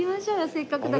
せっかくだから。